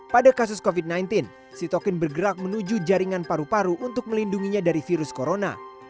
pada kasus covid sembilan belas sitokin bergerak menuju jaringan paru paru untuk melindunginya dari virus corona